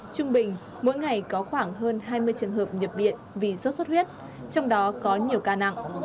trung bình mỗi ngày có khoảng hơn hai mươi trường hợp nhập viện vì sốt xuất huyết trong đó có nhiều ca nặng